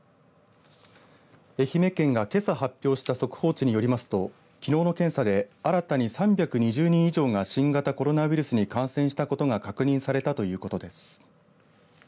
愛媛県がけさ発表した速報値によりますときのうの検査で新たに３２０人以上が新型コロナウイルスに感染したことが確認されたということです。